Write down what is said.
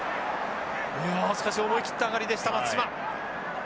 いやしかし思い切った上がりでした松島。